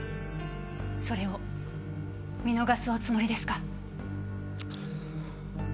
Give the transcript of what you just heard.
それを見逃すおつもりですか？